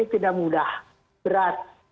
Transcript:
tidak mudah berat